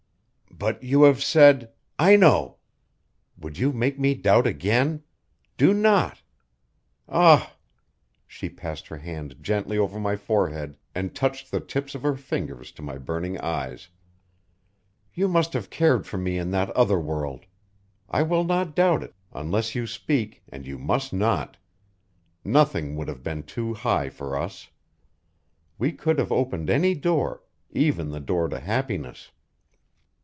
"But you have said " "I know! Would you make me doubt again? Do not! Ah" she passed her hand gently over my forehead and touched the tips of her fingers to my burning eyes "you must have cared for me in that other world. I will not doubt it; unless you speak, and you must not. Nothing would have been too high for us. We could have opened any door even the door to happiness."